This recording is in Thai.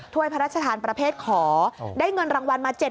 ถ้วยพระราชธานประเภทขอได้เงินรางวัลมา๗๐๐๐๐ค่ะ